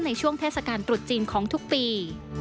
ในช่วงเทศกาลตรุษจีนของทุกปี